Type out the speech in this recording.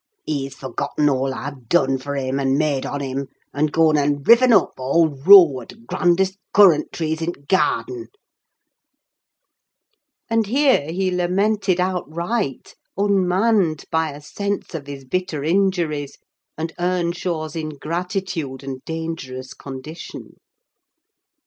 He's forgotten all I've done for him, and made on him, and goan and riven up a whole row o' t' grandest currant trees i' t' garden!" and here he lamented outright; unmanned by a sense of his bitter injuries, and Earnshaw's ingratitude and dangerous condition.